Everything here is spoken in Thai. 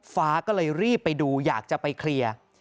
ฟ้าก็เลยรีบไปดูอยากจะไปเคลียร์